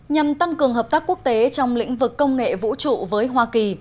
nhằm tăng cường hợp tác quốc tế trong lĩnh vực công nghệ vũ trụ với hoa kỳ